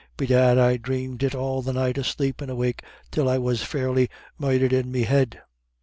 Bedad I dhramed it all the night asleep and awake, till I was fairly moidhered in me head."